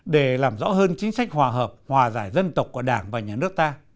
để làm rõ hơn chính sách hòa hợp hòa giải dân tộc của đảng và nhà nước ta